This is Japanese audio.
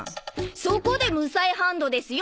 そこでむさえハンドですよ